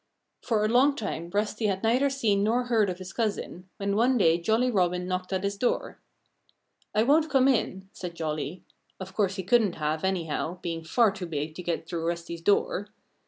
For a long time Rusty had neither seen nor heard of his cousin, when one day Jolly Robin knocked at his door. "I won't come in," said Jolly (of course he couldn't have, anyhow being far too big to get through Rusty's door!).